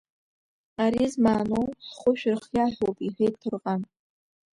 Ари змааноу, ҳхәы шәырхиа ҳәоуп, – иҳәеит Ҭорҟан.